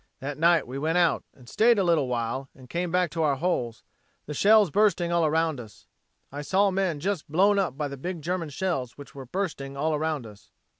That night we went out and stayed a little while and came back to our holes, the shells bursting all around us. I saw men just blown up by the big German shells which were bursting all around us.